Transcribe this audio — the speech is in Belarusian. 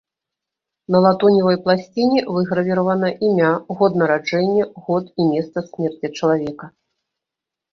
На латуневай пласціне выгравіравана імя, год нараджэння, год і месца смерці чалавека.